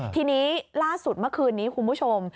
ทีนี้ล่าสุดเมื่อคืนนี้คุณผู้ชม